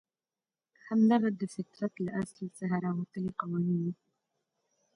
همدغه د فطرت له اصل څخه راوتلي قوانین وو.